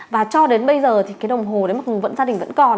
và cho đến bây giờ thì cái đồng hồ đấy mà vẫn gia đình vẫn còn